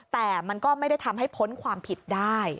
แต่มันก็ไม่ได้ทำให้พ้นความผิดได้